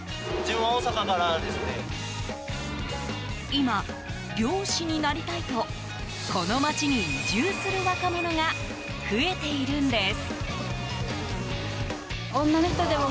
今、漁師になりたいとこの街に移住する若者が増えているんです。